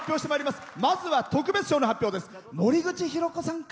まずは特別賞の発表です。